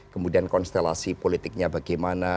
kemudian konstelasi politiknya bagaimana